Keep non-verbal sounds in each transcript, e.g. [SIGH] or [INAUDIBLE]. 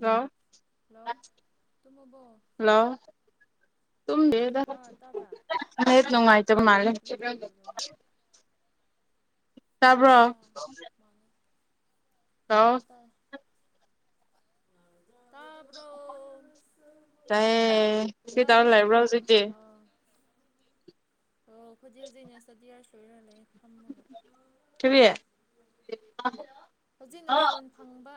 hello hello ꯇꯨꯝꯃꯕꯣ hello ꯇ ꯑꯥ ꯇꯥꯕ꯭ꯔꯥ [UNINTELLIGIBLE] ꯅꯦꯠ ꯅꯨꯡꯉꯥꯏꯇꯕ ꯃꯥꯜꯂꯦ ꯀꯔꯤ ꯇꯧꯔ ꯂꯩꯕ꯭ꯔꯣ ꯇꯥꯕ꯭ꯔꯣ ꯑꯥ ꯃꯥꯅꯦ ꯑꯥ ꯇꯥꯏ ꯇꯥꯕ꯭ꯔꯣ ꯇꯥꯏꯌꯦ ꯀꯔꯤ ꯇꯧꯔꯂꯩꯕ꯭ꯔꯣ ꯍꯧꯖꯤꯛꯇꯤ ꯍꯣ ꯈꯣꯏꯗꯤ ꯍꯧꯖꯤꯛ [UNINTELLIGIBLE] ꯁꯣꯏꯔꯒ ꯂꯩ ꯐꯝꯃꯒ ꯀꯔꯤ ꯍꯧꯖꯤꯛꯅ ꯐꯣꯟ ꯐꯪꯕ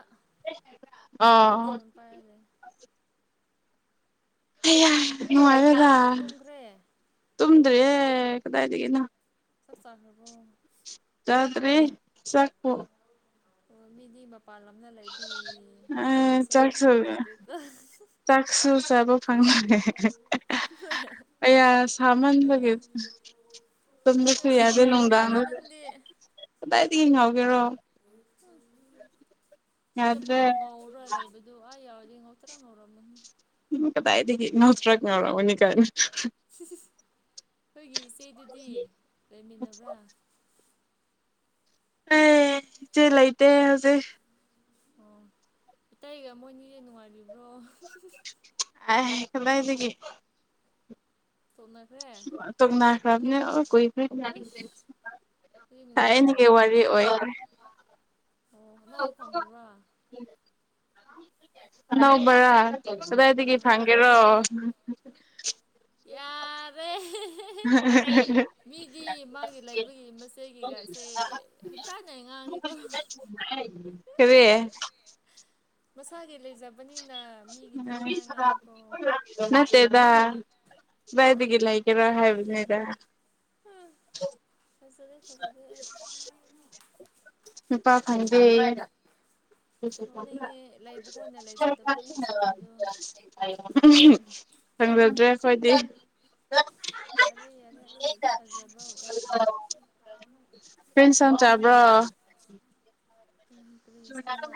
ꯑꯩ ꯑꯣ ꯐꯣꯟ ꯄꯥꯏꯔ ꯂꯩ [UNINTELLIGIBLE] ꯅꯨꯡꯉꯥꯏꯔꯦꯗ ꯇꯨꯝꯈ꯭ꯔꯦ ꯇꯨꯝꯗ꯭ꯔꯦ ꯀꯗꯥꯏꯗꯒꯤꯅꯣ ꯆꯥꯛ ꯆꯥꯈ꯭ꯔꯕꯣ ꯆꯥꯗ꯭ꯔꯤ ꯆꯥꯛꯄꯨ ꯑꯣ ꯃꯤꯗꯤ ꯃꯞ ꯃꯄꯥꯟ ꯂꯝꯗ ꯂꯩꯕꯒꯤ ꯑꯥ ꯑꯩꯩꯈꯣꯏꯒꯁꯦ ꯌꯥꯝ ꯆꯥꯛꯁꯨ ꯃꯥꯟꯅꯗꯦꯀꯣ ꯆꯥꯛꯁꯨ ꯆꯥꯕ ꯐꯪꯉꯦ ꯑꯩꯌꯥ ꯁꯥꯃꯟꯕꯒꯤ ꯇꯨꯨꯝꯕꯁꯨ ꯑꯁ ꯌꯥꯗꯦ ꯉꯥꯎꯔꯝꯃꯅꯤ ꯅꯨꯡꯗꯥꯡꯗ ꯅꯪꯗꯤ ꯀꯗꯥꯏꯗꯒꯤ ꯉꯥꯎꯒꯦꯔꯣ ꯍꯝ ꯌꯥꯗ꯭ꯔꯦ ꯁꯤꯗꯐꯥꯎ ꯉꯥꯎꯔ ꯂꯩꯕꯗꯨ ꯑꯗꯨ ꯑꯥ ꯌꯧꯔꯗꯤ ꯉꯧꯊꯔꯣꯛ ꯉꯧꯔꯝꯃꯅꯤ ꯎꯝ ꯀꯗꯥꯏꯗꯒꯤ ꯉꯧꯊꯔꯣꯛ ꯉꯧꯔꯝꯒꯅꯤꯀꯥꯏꯅ ꯑꯩꯈꯣꯏꯒꯤ ꯏꯆꯦꯗꯨꯗꯤ ꯂꯩꯃꯤꯟꯅꯕ꯭ꯔꯥ ꯍꯩ ꯏꯆꯦ ꯂꯩꯇꯦ ꯍꯧꯖꯤꯛ ꯑꯣ ꯏꯇꯩꯒ ꯃꯣꯏꯅꯤꯗꯤ ꯅꯨꯡꯉꯥꯏꯔꯤꯕ꯭ꯔꯣ ꯑꯥꯏ ꯀꯗꯥꯏꯗꯒꯤ [UNINTELLIGIBLE] ꯇꯣꯛꯅ ꯈꯔꯕꯅꯤꯅ ꯀꯨꯏꯈꯔꯦ ꯑꯁ ꯑꯗꯨꯗꯤ ꯊꯥꯏꯅꯒꯤ ꯅꯨꯡꯁꯤꯅꯔꯤꯕ꯭ꯔꯥ ꯋꯥꯔꯤ ꯍꯥꯏꯔꯒ ꯑꯣꯏꯈ꯭ꯔꯦ ꯑꯣ ꯑꯅꯧꯕ ꯐꯪꯈ꯭ꯔꯕ꯭ꯔꯥ ꯑꯅꯧꯕꯔꯥ ꯀꯗꯥꯏꯗꯒꯤ ꯑꯥ ꯐꯪꯒꯦꯔꯣ ꯌꯥꯔꯦ [UNINTELLIGIBLE] ꯃꯤꯗꯤ ꯃꯥꯒꯤ ꯂꯩꯕꯒꯤ ꯃꯆꯦꯒꯤ ꯒꯥꯏꯁꯦ ꯍꯟꯇꯥꯅ ꯉꯥꯡꯉꯦꯀꯣ [UNINTELLIGIBLE] ꯀꯔꯤ ꯃꯁꯥꯒꯤ ꯂꯩꯖꯕꯅꯤꯅ ꯃꯤꯒꯤꯗꯤ ꯑꯗꯨꯃꯥꯏ ꯥꯉꯥꯡꯉꯤꯀꯣ ꯃꯠꯇꯦꯗꯥ ꯀꯗꯥꯏꯗꯒꯤ ꯂꯩꯒꯦꯔꯣ ꯍꯥꯏꯕꯅꯤꯗ ꯊꯥꯖꯔꯦ ꯊꯥꯖꯗꯦ ꯑꯩ [UNINTELLIGIBLE] ꯅꯨꯄꯥ ꯐꯪꯗꯦ [UNINTELLIGIBLE] [UNINTELLIGIBLE] ꯅꯣꯛꯅꯤꯡꯉꯦ ꯂꯩꯕ ꯀꯣꯟꯅ ꯂꯩꯖꯗꯕ ꯌꯥꯝ ꯁꯥꯕꯗꯣ ꯐꯪꯖꯗ꯭ꯔꯦ ꯑꯩꯈꯣꯏꯗꯤ ꯌꯥꯔꯦ ꯌꯥꯔꯦ ꯑꯩ ꯊꯥꯖꯕ ꯋꯥꯠꯂꯦ [UNINTELLIGIBLE] ꯀꯔꯤ ꯑꯦꯟꯁꯥꯡ ꯆꯥꯕ꯭ꯔꯣ [UNINTELLIGIBLE] ꯀꯔꯤ ꯏꯟꯁꯥꯡꯂ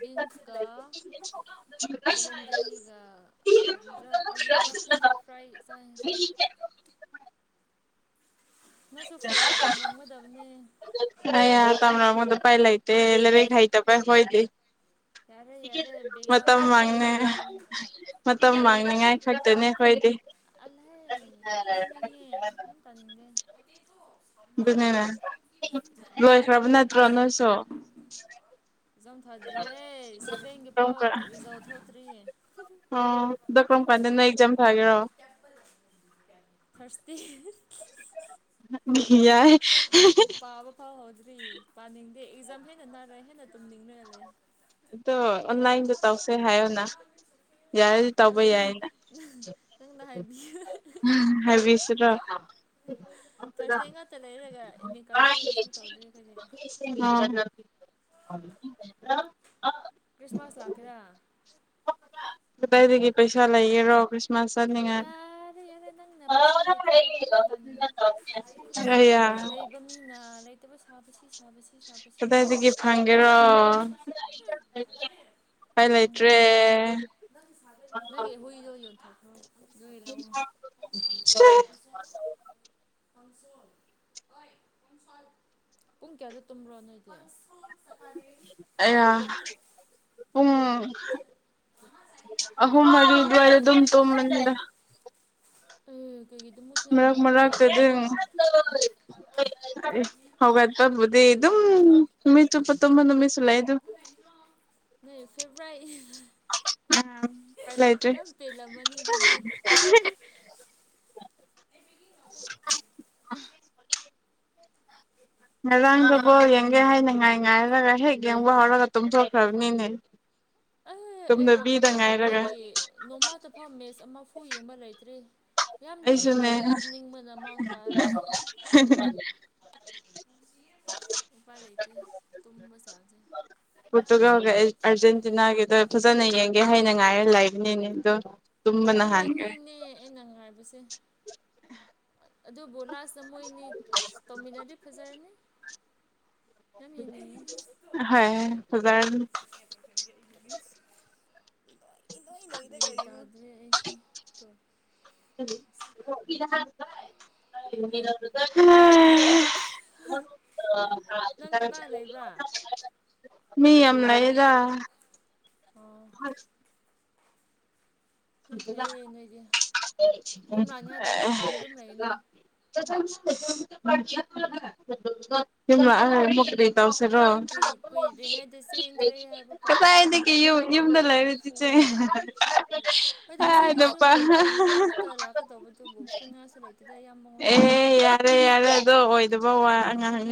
ꯕꯤꯟꯁꯀ ꯕꯦꯂꯦꯟꯗ꯭ꯔꯤꯒ ꯀꯔꯤꯔ ꯑꯂꯨꯔ ꯈꯪꯗꯦ ꯐ꯭ꯔꯥꯏ ꯆꯥꯡꯏ ꯉꯁꯤ ꯅꯪꯁꯨ ꯐꯣꯔ ꯏꯌꯥꯔ ꯇꯝꯂꯝꯒꯗꯕꯅꯦ ꯁꯤꯁꯦ ꯇꯝꯅꯕ ꯃꯗꯨ ꯑꯨꯄꯥꯏ ꯂꯩꯥꯇꯦ ꯂꯥꯏꯔꯤꯛ ꯍꯥꯇꯕꯩ ꯑꯩꯈꯣꯏꯗꯤ ꯌꯥꯔꯦ ꯌꯥꯔꯦ ꯕꯦꯛ ꯃꯇꯝ ꯆꯥꯗꯕ ꯃꯤꯅ ꯃꯥꯡꯉ‌ꯦ ꯍꯥꯏꯌꯦ ꯃꯇꯝ ꯃꯥꯡꯅꯤꯡꯉꯥꯏ ꯈꯛꯇꯅꯤ ꯑꯩꯈꯣꯏꯗꯤ ꯇꯜꯂ‌ꯦꯍ‌ꯦ ꯂꯣꯟꯒꯦ ꯌꯥꯝ ꯇꯅꯤꯡꯗ‌ꯦ ꯑꯗꯨꯅꯦ ꯂꯣꯏꯈ꯭ꯔꯕ ꯅꯠꯇ꯭ꯔꯣ ꯅꯣꯏꯁꯨ ꯛꯖꯥꯎꯝ ꯊꯥꯗ꯭ꯔꯤꯌꯦ ꯀꯔꯝ ꯀꯥꯟ ꯁꯤꯕꯦꯡꯒꯤꯐꯥꯎ ꯔꯤꯖꯥꯎ ꯊꯣꯛꯇ꯭ꯔꯤꯌꯦ ꯗ‌ꯣ ꯀꯔꯝꯀꯥꯟꯗꯅ ꯑ‌ꯦꯖꯥꯝ ꯊꯥꯔꯁꯗꯦ ꯌꯥꯥꯏ ꯄꯥꯕ ꯐꯥꯎ ꯍꯧꯗ꯭ꯔꯤ ꯄꯥꯅꯤꯡꯗꯦ ꯑꯦꯛꯖꯥꯝ ꯍꯦꯟꯅ ꯅꯛꯔ ꯍꯦꯟꯅ ꯇꯨꯝꯅꯤꯡꯔꯒ ꯂꯩ ꯑꯗꯣ ꯑꯣꯟꯂꯥꯏꯟꯗ ꯇꯧꯁꯦ ꯍꯥꯏꯌꯣꯅ ꯌꯥꯔꯗꯤ ꯅꯪ ꯇꯧꯕ ꯌꯥꯏꯅ ꯅꯪꯅ ꯍꯥꯏꯕꯤꯌꯨ ꯍꯥꯏꯕꯤꯁꯤꯔꯣ ꯊꯥꯔꯁꯗꯦ ꯉꯥꯛꯇ ꯂꯩꯔꯒ ꯑꯦꯃꯤꯠ ꯀꯥꯔꯠꯁꯨ ꯏꯁꯨ ꯇꯧꯗ꯭ꯔꯤ ꯑꯈꯣꯏꯗꯤ ꯑ‌ꯣ ꯀ꯭ꯔꯤꯁꯃꯥꯁ ꯂꯥꯛꯀ‌ꯦꯔ ꯀꯗꯥꯏꯗꯒꯤ ꯄꯩꯁꯥ ꯂꯩꯒꯦꯔꯣ ꯀꯔꯤꯁ ꯌꯥꯔꯦ ꯌꯥꯔꯦ ꯅꯪꯅ ꯄꯩꯁꯥ ꯂꯩꯇꯦ ꯍꯥꯏꯕꯗꯣ ꯑꯩ ꯌꯥꯝ ꯇꯥꯅꯤꯡꯗꯦ [UNINTELLIGIBLE] ꯑꯌꯥ ꯂꯩꯕ ꯃꯤꯅ ꯂꯩꯇꯕ ꯁꯥꯕꯁꯤ ꯁꯥꯕꯁꯤ ꯁꯥꯕꯁꯤ ꯀꯗꯥꯏꯗꯒꯤ ꯐꯪꯒꯦꯔꯣ ꯎꯄꯥꯏ ꯃꯪꯗ ꯂꯩꯇ꯭ꯔꯦ ꯅꯪꯒꯤ ꯍꯨꯏꯗꯣ ꯌꯣꯟꯊꯣꯛꯈꯔꯣ ꯅꯣꯏ ꯂꯧ ꯄꯨꯡ ꯀꯌꯥꯗ ꯇꯨꯝꯕ꯭ꯔꯣ ꯅꯣꯏꯗꯤ [UNINTELLIGIBLE] ꯑꯥꯌ ꯄꯨꯡ ꯑꯍꯨꯝ ꯃꯔꯤ ꯑꯗꯨꯋꯏꯗ ꯑꯗꯨꯝ ꯇꯨꯝꯕꯅꯤꯗ ꯎꯝ ꯀꯩꯒꯤ ꯑꯗꯨꯃꯛ ꯃꯔꯛ ꯃꯔꯛ ꯇꯗꯤ ꯎꯝ ꯍꯧꯒꯠꯄꯕꯨꯗꯤ ꯑꯗꯨꯝ ꯅꯨꯃꯤꯠ ꯆꯨꯞꯄ ꯇꯨꯝꯕ ꯅꯨꯃꯤꯠꯁꯨ ꯂꯩꯌꯦꯗꯨ ꯅꯣꯏ ꯐꯦꯕ꯭ꯔꯣꯔꯥꯠ ꯎꯝ ꯂꯩꯇꯔꯦ ꯄꯦꯜꯂꯝꯃꯅꯤ ꯑꯗꯨꯗꯤ ꯉꯔꯥꯡꯗꯣ ꯕꯣꯜ ꯌꯦꯡꯒꯦ ꯍꯥꯏꯅ ꯉꯥꯏ ꯉꯥꯏꯔꯒ ꯍꯦꯛ ꯌꯦꯡꯕ ꯍꯧꯔꯒ ꯇꯨꯝꯊꯣꯛꯈ꯭ꯔꯕꯅꯤꯅꯦ ꯑꯦ ꯑꯩ ꯋꯥꯏꯜ ꯀꯞ ꯇꯨꯝꯗꯕꯤꯗ ꯍꯦꯛ ꯉꯥꯏꯔꯒ ꯍꯧꯕꯗꯒꯤ ꯅꯣꯡꯃꯥꯇ ꯐꯥꯎ ꯃꯦꯠꯆ ꯑꯃꯐꯨ ꯌꯦꯡꯕ ꯂꯩꯇ꯭ꯔꯤ ꯌꯥꯝꯗꯤ ꯑꯩꯁꯨꯅꯦ ꯌꯦꯡꯅꯤꯡꯉꯦ ꯇꯨꯝꯅꯤꯡꯕꯅ ꯃꯥꯡ ꯊꯔ ꯂꯩ ꯍ‌ꯦ‌ ꯍ‌ꯦ ꯎꯄꯥ ꯂꯩꯇꯦ ꯇꯨꯝꯕ ꯆꯥꯡꯖꯦ ꯌꯥꯔꯦ ꯑꯥꯔꯖꯦꯟꯇꯤꯅꯥꯒꯤꯗꯣ ꯐꯖꯅ ꯌꯦꯡꯒꯦ ꯍꯥꯏꯅ ꯉꯥꯏꯔꯒ ꯂꯩꯕꯅꯤꯅꯦ ꯑꯗꯣ ꯇꯨꯝꯕꯅ ꯑꯗꯨ ꯍꯥꯟꯈ꯭ꯔꯦ ꯑꯅꯤꯅꯦ ꯑꯩꯅ ꯉꯥꯏꯕꯁꯦ ꯑꯗꯨ ꯂꯥꯁ ꯃꯣꯏꯅꯤ ꯑꯁ ꯇꯧꯃꯤꯟꯅꯔꯗꯤ ꯐꯖꯔꯅꯤ ꯌꯥꯝ ꯌꯦꯡꯅꯤꯡꯉꯦ ꯍꯣꯏ ꯐꯖꯔꯅꯤ [UNINTELLIGIBLE] ꯏꯅꯣꯏ ꯅꯣꯏꯔꯒ ꯌꯦꯡꯉꯣ ꯒꯤꯌ꯭ꯥꯟ ꯇꯗꯔꯦ ꯑꯩꯁꯦ [UNINTELLIGIBLE] [UNINTELLIGIBLE] ꯀꯅꯒ ꯂꯩꯕ꯭ꯔꯥ ꯃꯤ ꯌꯥꯝ ꯂꯩꯥꯌꯦꯗ ꯑꯣ ꯎ ꯎ ꯌꯥꯝ ꯐꯩꯌꯦ ꯅꯣꯏꯗꯤ ꯌꯨꯝ ꯂꯥꯛꯅꯤꯡꯉꯥꯏ ꯇꯧꯕ ꯃꯄꯥꯟꯗ ꯑꯗꯨꯝ ꯂꯩꯒꯅꯨ [UNINTELLIGIBLE] [UNINTELLIGIBLE] ꯇꯧꯁꯦꯔꯣ ꯀꯨꯏ ꯀꯨꯏ ꯀꯨꯏꯗ꯭ꯔꯤꯉꯩꯗ ꯆꯦꯟꯈ꯭ꯔꯦ ꯍꯥꯏꯕ ꯄꯥꯎ ꯇꯥꯔꯗꯤ ꯀꯗꯥꯏꯗꯒꯤ ꯌꯨꯝ ꯌꯨꯝꯗ ꯑꯩꯗꯤ ꯂꯩꯔ ꯏꯆꯦ ꯐꯨꯕ ꯂꯥꯛꯀꯅꯤ ꯍꯣꯏꯗ ꯑꯦ ꯆꯦꯜꯂꯁꯨ ꯅꯨꯄꯥ ꯈꯨꯟ ꯑꯃ ꯉꯛꯇ ꯂꯥꯛꯀꯗꯧꯕꯗꯨꯕꯨ ꯐꯨꯅꯤꯡꯉꯥꯏꯁꯨ ꯂꯩꯇꯦꯗ ꯏꯌꯥꯝꯕ ꯃꯉꯣꯟꯗꯕꯨ ꯑꯦ ꯌꯥ ꯌꯥꯔꯦ ꯌꯥꯔꯦ ꯑꯗꯣ ꯑꯣꯏꯗꯕ ꯋꯥ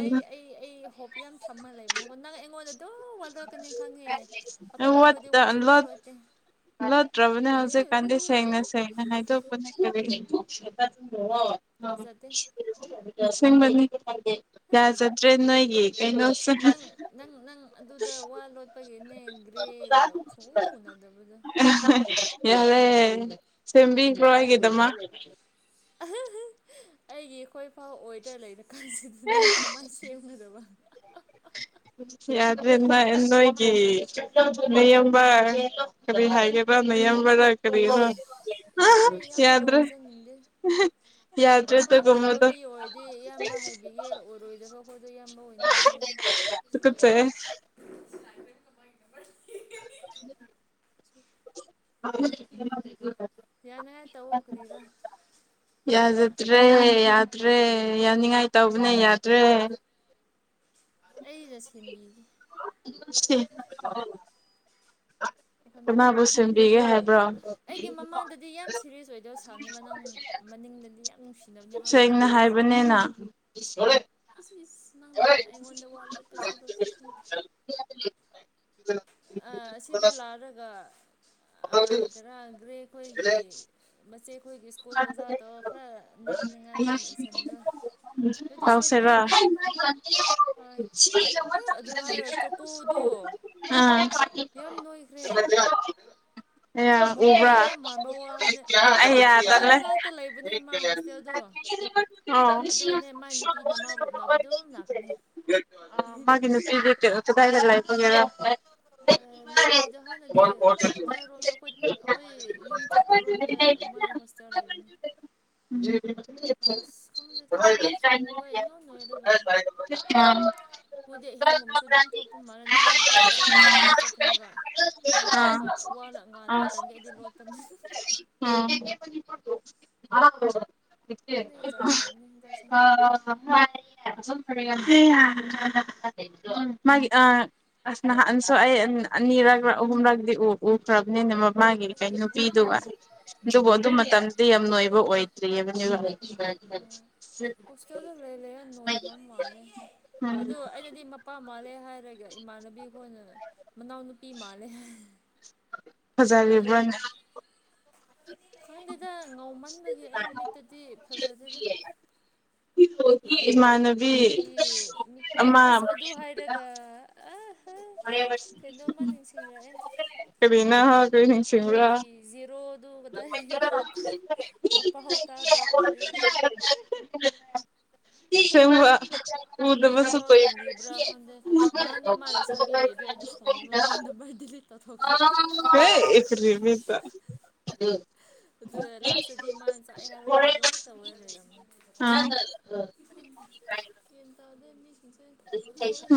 ꯑꯩ ꯑꯩ ꯑꯩ ꯍꯣꯞ ꯌꯥꯝ ꯊꯝꯃ ꯂꯩꯕꯅꯤꯀꯣ ꯅꯪ ꯑꯩꯉꯣꯟꯗ ꯑꯗꯨ ꯋꯥ ꯂꯣꯠꯀꯅꯤ ꯈꯪꯉꯦ ꯑꯇꯣꯞꯄ ꯈꯣꯏꯗꯤ ꯋꯥ ꯁꯨꯡꯂꯣꯠ ꯂꯣꯠꯇꯦ ꯂꯣꯠꯗ꯭ꯔꯕꯅꯦ ꯍꯧꯖꯤꯛ ꯀꯥꯟꯗꯤ ꯁꯦꯡꯅ ꯁꯦꯡꯅ ꯍꯥꯏꯗꯣꯛꯄꯅꯦ ꯐꯖꯗꯦ ꯑꯁꯦꯡꯕꯅꯤ ꯌꯥꯖꯇ꯭ꯔꯦ ꯅꯣꯏꯒꯤ ꯀꯩꯩꯅꯣꯁꯨ ꯅꯪ ꯅꯪ ꯅꯪ ꯑꯗꯨꯗ ꯋꯥ ꯂꯣꯠꯄꯒꯤꯅꯦ ꯒ꯭ꯔꯦꯒ ꯁꯨꯡꯎ ꯎꯅꯗꯕꯗꯣ ꯑ ꯍꯥ ꯌꯥꯔꯦ ꯁꯦꯝꯕꯤꯈ꯭ꯔꯣ ꯑꯩꯒꯤꯗꯨꯃꯥꯥ ꯑ ꯍꯥ ꯍꯥ ꯑꯩꯒꯤ ꯑꯩꯈꯣꯏ ꯐꯥꯎ ꯑꯣꯏꯗ꯭ꯔ ꯂꯩꯔꯀꯥꯟꯁꯤꯗ ꯅꯪꯒꯤ ꯀꯃꯥꯏꯅ ꯁꯦꯝ ꯁꯦꯝꯒꯗꯕ ꯌꯥꯗꯔꯦꯕꯃ ꯅꯣꯏꯒꯤ ꯅꯌꯥꯝꯕ ꯑꯍꯟ ꯀꯔꯤ ꯍꯥꯏꯒꯦꯕ ꯅꯌꯥꯝꯕꯔ ꯀꯔꯤꯔ ꯎꯁ ꯌꯥꯅꯤ ꯏꯌꯥꯝꯕꯒ ꯌꯥꯗ꯭ꯔꯦ ꯑꯣꯏꯖꯅꯤꯡꯗꯦ ꯌꯥꯗ꯭ꯔꯦ ꯈꯔ ꯑꯣꯏꯕ ꯑꯗꯨꯒꯨꯝꯕꯗꯣ ꯃꯤ ꯑꯣꯏꯗꯤ ꯏꯌꯥꯝꯕ ꯍꯥꯏꯕꯤ ꯌꯦ ꯑꯣꯏꯔꯣꯏꯗꯕ ꯈꯣꯏꯗꯣ ꯏꯌꯥꯝꯕ ꯑꯣꯏꯅꯤꯡꯗꯦꯅꯦ ꯇꯨꯀꯠꯆꯩꯌꯦ ꯑꯁꯤꯅ [UNINTELLIGIBLE] ꯌꯥꯅꯉꯥꯏ ꯇꯧꯋꯣ ꯀꯔꯤꯔꯥ ꯌꯥꯖꯗ꯭ꯔꯦ ꯌꯥꯗ꯭ꯔꯦ ꯌꯥꯅꯤꯡꯉꯥꯏ ꯇꯧꯕꯅꯦ ꯌꯥꯗ꯭ꯔꯦ ꯑꯩꯒ ꯁꯦꯝꯕꯤꯒꯦ ꯆꯦ [UNINTELLIGIBLE] ꯋꯥꯈꯟ ꯀꯅꯥꯕꯨ ꯋꯥꯒꯅꯨ ꯁꯦꯝꯕꯤꯒꯦ ꯍꯥꯏꯕ꯭ꯔꯣ ꯑꯩꯒꯤ ꯃꯃꯥꯡꯗ ꯗꯤ ꯌꯥꯝ ꯁꯤꯔꯤꯌꯦꯁ ꯑꯣꯏꯗꯕ ꯁꯥꯅꯤꯕ ꯅꯪ ꯃꯅꯤꯡꯗꯗꯤ ꯌꯥꯝ ꯅꯨꯡꯁꯤꯅꯕꯅꯦꯕ ꯅꯣꯏ ꯁꯦꯡꯅ ꯑꯅꯤꯁꯦ ꯍꯥꯏꯕꯅꯦꯅꯥ ꯏꯁ ꯏꯁ ꯅꯪꯅ ꯑꯩꯉꯣꯟꯗ ꯋꯥ ꯂꯣꯠꯄꯁꯤ ꯂꯣꯠꯄꯁꯤ ꯑ ꯑꯁꯤꯗ ꯂꯥꯛꯔꯒ ꯑ ꯀꯔꯒ꯭ꯔꯦ ꯑꯩꯈꯣꯏꯒꯤ ꯃꯆꯦ ꯈꯣꯏꯒꯤ ꯁ꯭ꯀꯨꯜꯗ ꯑꯣꯖꯥ ꯇꯧꯔꯒ ꯈꯔ ꯅꯛꯅꯤꯡꯉꯥꯏ ꯀꯅꯦꯛꯁꯟꯗꯣ ꯑꯗꯨꯗꯤ ꯁꯣꯏꯗ꯭ꯔꯦ ꯀꯥꯎꯁꯦꯔꯥ ꯅꯪ ꯍꯣꯏ ꯑ ꯑꯗꯨ ꯍꯥꯏꯔ ꯆꯣꯀꯣꯗꯣ ꯑꯥ ꯌꯥꯝ ꯅꯣꯏꯈ꯭ꯔꯦ ꯑꯌꯥ ꯃꯄꯥ ꯎꯕꯔ ꯌꯥꯝ ꯃꯥꯟꯕ ꯋꯥꯕꯅꯦ ꯑꯩ ꯌꯥꯗ ꯑꯩꯈꯣꯏ ꯍꯜꯂꯦ ꯃꯅꯥꯛꯇ ꯂꯩꯕꯅꯦ ꯃꯥ ꯍꯣꯁꯇꯦꯜꯗꯣ ꯑꯣ ꯑꯗꯨꯒꯅꯦ ꯃꯥꯏ ꯅꯨꯄꯤꯅ ꯃꯥꯕꯨ ꯎꯅꯕ ꯑꯗꯨꯝ ꯂꯥꯛꯀꯅꯤ ꯑ ꯃꯥꯒꯤ ꯅꯨꯄꯤꯗꯤ ꯀꯩ ꯀꯗꯥꯏꯗ ꯂꯩꯕꯒꯦꯔꯥ ꯑ ꯃꯥꯏ ꯅꯨꯄꯤꯗꯣ ꯍꯥꯟꯅꯗꯤ ꯀꯗꯥꯏꯔꯣꯝꯗ ꯑꯩꯈꯣꯏ ꯑꯩꯈꯣꯏ ꯌꯨꯝ ꯆꯠ ꯄꯔꯣꯝꯗ ꯃꯣꯏ ꯍꯣꯁꯇꯦꯜ ꯂꯩꯕꯟ ꯎꯝ ꯈꯪꯗꯦꯗ ꯅꯍꯥꯟꯁꯨ ꯎꯋꯦ ꯏꯂꯣꯏ ꯂꯣꯏꯔꯒ [UNINTELLIGIBLE] [UNINTELLIGIBLE] ꯑꯥꯝ ꯃꯣꯏꯗꯤ ꯑꯍꯤꯡꯒꯨꯝꯕꯁꯨ ꯑꯗꯨꯝ ꯊꯣꯛꯄ ꯃꯥꯂꯦ ꯅꯍꯥꯟ ꯑꯩꯈꯣꯏ ꯑꯣꯖꯥꯒ ꯑꯍꯤꯡꯗ ꯆꯠꯄꯅꯦꯕ ꯃꯣꯏ ꯑꯥ ꯊꯣꯛꯄ ꯋꯥꯅ ꯉꯥꯅ ꯉꯥꯛꯇꯪꯒꯤ ꯑꯩꯗꯤ ꯂꯣꯠꯄꯟ ꯑꯥ [UNINTELLIGIBLE] ꯈꯪꯗꯦ ꯖꯥꯠ ꯖꯥꯠꯅꯤ ꯍꯟꯗꯛꯁꯦ ꯑꯥ ꯃꯥꯟꯅꯩ ꯍꯩꯌꯥ [UNINTELLIGIBLE] ꯃꯥꯒꯤ ꯑ ꯑꯁ ꯅꯍꯥꯟꯁꯨ ꯑꯩ ꯑ ꯑꯅꯤꯔꯛꯔ ꯑꯍꯨꯝꯔꯛꯗꯤ ꯎ ꯎꯈ꯭ꯔꯕꯅꯤꯅꯦ ꯃ ꯃꯥꯒꯤ ꯀꯩ ꯅꯨꯄꯤꯗꯨꯒ [UNINTELLIGIBLE] ꯑꯗꯨꯕꯨ ꯑꯗꯨ ꯑꯦ ꯃꯇꯝꯗꯤ ꯌꯥꯝ ꯅꯣꯏꯕ ꯑꯣꯏꯗ꯭ꯔꯤꯌꯦꯕꯅꯦꯕ ꯍꯣꯁꯇꯦꯜꯗ ꯂꯩ ꯂꯩꯔ ꯅꯣꯏꯈ꯭ꯔ [UNINTELLIGIBLE] ꯎꯝ ꯄꯥ ꯃꯥꯜꯂꯦ ꯍꯥꯏꯔꯒ ꯏꯃꯥꯟꯅꯕꯤ ꯍ‌ꯣꯏꯅ ꯃꯅꯥꯎꯅꯨꯄꯤ ꯃꯥꯜꯂꯦ ꯐꯖꯂꯤꯕ꯭ꯔꯟ ꯈꯪꯗꯦꯗ ꯉꯧꯃꯟꯕꯒꯤ ꯑꯩ ꯃꯤꯠꯇꯗꯤ ꯐꯖꯗꯦꯗ [UNINTELLIGIBLE] ꯏꯃꯥꯟꯅꯕ ꯑꯩꯈꯣꯏꯒꯤ ꯃꯤꯠꯇꯤ ꯑꯁ ꯑꯗꯨ ꯍꯥꯏꯔꯒ ꯑꯥ ꯍꯥ ꯀꯩꯅꯣꯃ ꯅꯤꯁꯤꯡꯔꯑꯦ ꯀꯔꯤꯅ ꯀꯔꯤ ꯅꯤꯡꯁꯤꯡꯕ꯭ꯔꯥ ꯑꯩꯈꯣꯏꯒꯤ ꯖ‌ꯦꯔꯣꯗꯨ ꯀꯗꯥꯏ ꯂꯩꯕ꯭ꯔꯥ ꯀ‌ꯣ ꯃꯄꯥꯎ ꯇꯥꯗ ꯀꯨꯏꯔ‌ꯦ ꯑꯩ [UNINTELLIGIBLE] ꯁ‌ꯦꯡꯕꯥ ꯎꯗꯕꯁꯨ ꯍꯤꯡꯐꯥꯎ ꯀꯨꯏ [UNINTELLIGIBLE] ꯍꯤꯡꯂꯤꯕ꯭ꯔꯥ ꯈꯪꯗꯦ ꯅꯍꯥꯟꯗꯣ [UNINTELLIGIBLE] ꯚꯥꯏ ꯗꯤꯂꯤꯠ ꯇꯧꯊꯣꯛ [UNINTELLIGIBLE] ꯑꯗꯨ ꯂꯥꯁꯇꯗꯤ ꯃꯥꯅ ꯆꯥꯑꯦ ꯍꯥꯏꯕ ꯀꯦꯔꯥ ꯑꯗꯨꯝ ꯉꯥꯛꯇ ꯑꯣꯏꯔ ꯂꯩꯔꯝ [INAUDIBLE] ꯌꯦꯟ ꯇꯥꯗꯨꯏ ꯃꯤꯁꯤꯡꯁꯦ ꯑꯗꯨꯁꯨ ꯍ‌ꯣꯔꯦꯟ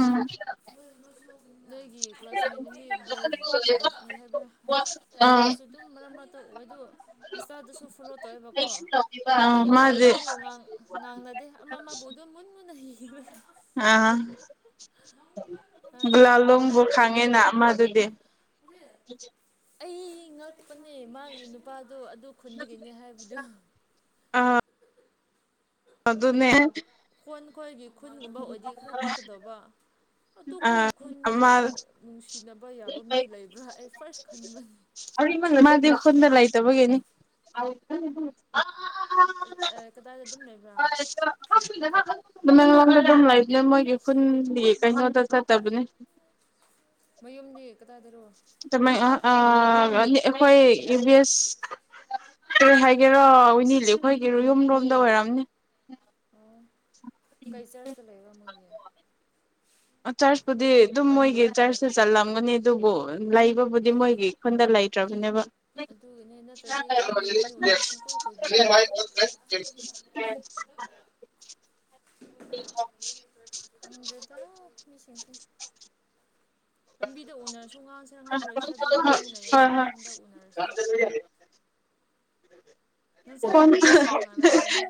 ꯃꯣꯏ ꯃꯣꯏꯁꯨ ꯅꯣꯏꯒꯤ ꯀ꯭ꯂꯥꯁꯃꯦꯠ ꯅꯨꯃꯤ ꯕꯔ ꯕꯔꯄꯤ ꯍꯥꯏꯕ꯭ꯔꯥ [UNINTELLIGIBLE] ꯗꯨꯁꯨ ꯗꯨꯝ ꯃꯔꯛ ꯃꯔꯛꯇ ꯋ‌ꯦꯗꯨ ꯏꯟꯁꯇꯥꯗꯁꯨ ꯐꯣꯂꯣ ꯇꯧꯋꯦꯕꯀꯣ ꯑꯥ ꯑꯗꯨ ꯑ ꯗꯨꯝ ꯃꯥꯗꯤ ꯎꯔꯁꯨ ꯉ ꯉꯥꯡ ꯉꯥꯡꯅꯗꯦ ꯑꯃ ꯑꯃꯕꯨ ꯑꯗꯨꯝ ꯃꯨꯟ ꯃꯨꯟꯅ [UNINTELLIGIBLE] ꯑ ꯅꯍꯥꯟꯁꯨ ꯃꯥꯏ ꯒꯨꯂꯥꯂꯣꯡꯕꯨ ꯄꯥꯈꯪꯒ ꯎꯋꯦ ꯈꯪꯉ‌ꯦꯅꯥ ꯑꯃꯗꯨꯗꯤ [UNINTELLIGIBLE] [UNINTELLIGIBLE] ꯑꯩ ꯉꯛꯄꯅꯦ ꯃꯥꯒꯤ ꯅꯨ ꯑꯗꯨ ꯑꯗꯨ ꯈꯨꯟꯗꯒꯤꯅꯦ ꯍꯥꯏꯕꯗꯨ ꯑ ꯑꯗꯨꯅꯦ ꯄ‌ꯣꯟ ꯈꯣꯏꯒꯤ ꯈꯨꯟꯒꯨꯝꯕ ꯑꯣꯏꯗꯤ ꯈꯔ ꯄꯛꯀꯗ‌ꯣꯕꯥ ꯑꯇ‌ꯣ ꯈ‌ꯣꯏ ꯑ ꯈꯨꯟꯗꯒꯤ ꯃꯥꯗꯤ ꯑꯥ ꯅꯨꯡꯁꯤꯅꯕ ꯌꯥꯕ ꯃꯤ ꯂꯩꯕ꯭ꯔꯥ ꯑꯩ ꯐꯥꯔꯁ ꯈꯟꯕꯟ [UNINTELLIGIBLE] ꯃꯥꯗꯤ ꯈꯨꯟꯗ ꯂꯩꯇꯕꯒꯦꯅꯤ ꯀꯗꯥꯏꯗ ꯑꯗꯨꯝ ꯂꯩꯕ꯭ꯔꯥ [UNINTELLIGIBLE] ꯑꯗꯨꯝ ꯂꯩꯕꯅꯦ ꯃꯣꯏꯒꯤ ꯈꯨꯟꯗꯤ ꯀꯩꯅꯣꯗ ꯆꯠꯇꯕꯅꯦ ꯃꯌꯨꯝꯗꯤ ꯀꯗꯥꯏꯗꯔꯣ ꯇꯥꯃꯦꯡ ꯑꯥ ꯑꯩꯈꯣꯏ ꯏꯕꯤ ꯑꯦꯁ ꯀꯩ ꯍꯥꯏꯒꯦꯔꯣ ꯋꯤꯅꯤꯂꯤ ꯑꯩꯈꯣꯏꯒꯤ ꯌꯨꯝꯔꯣꯝꯗ ꯑꯣꯏꯔꯝꯅꯦ ꯑꯣ ꯀꯩ ꯆꯔꯆꯇ ꯂꯩꯕꯥ ꯃꯣꯏꯗꯤ ꯆꯔꯆꯄꯨꯗꯤ ꯑꯗꯨꯝ ꯃꯣꯏꯒꯤ ꯆꯔꯆꯁ ꯆꯠꯂꯝꯒꯅꯤ ꯑꯗꯨꯕꯨ ꯂꯩꯕꯕꯨꯗꯤ ꯎꯝ ꯃꯣꯏꯒꯤ ꯈꯨꯟꯗ ꯂꯩꯇ꯭ꯔꯕꯅꯦꯕ [INAUDIBLE] ꯑꯗꯨꯒꯤꯅꯦ ꯍ ꯅꯠꯇ꯭ꯔꯗꯤ ꯈꯨꯟꯒꯤ ꯃꯤ ꯑꯣꯏꯔꯗꯤ ꯁꯨꯡꯀꯣꯏ ꯀꯣꯏꯕꯤꯔꯣꯏꯕ [INAUDIBLE] ꯈꯪꯗꯦꯗ ꯃꯤꯁꯤꯡꯁꯦ ꯂꯝꯕꯤꯗ ꯎꯅꯔꯁꯨ ꯉꯥꯡꯁꯤꯔꯥ ꯍꯣꯏ ꯉꯥꯡꯔꯣꯏꯁꯤ꯭ꯔꯥ ꯑꯗꯨꯕ ꯃꯤꯅ ꯌꯥꯝꯃꯦ ꯍꯣꯏ ꯍꯟꯗꯛ ꯎꯅꯔꯤꯁꯦ ꯅꯪꯁꯨ ꯍꯤꯟꯗꯤ ꯐꯖꯅ ꯉꯥꯡꯔꯝꯈ꯭ꯔꯅꯤ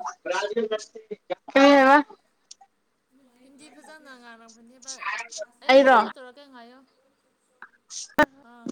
ꯀꯩ ꯍꯥꯏꯕ ꯍꯤꯟꯗꯤ ꯐꯖꯅ ꯉꯥꯏꯔꯝꯒꯅꯦꯕ ꯑꯩꯃꯨꯛ ꯀꯣꯜ ꯇꯧꯔꯛꯒꯦ ꯉꯥꯢꯌꯣ ꯑ [INAUDIBLE] ꯑꯥ